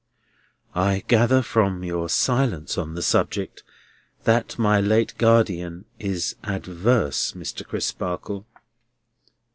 "I gather from your silence on the subject that my late guardian is adverse, Mr. Crisparkle?"